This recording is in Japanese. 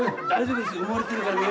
大丈夫ですか？